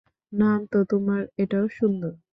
নাম তো তোমার এটাও সুন্দর।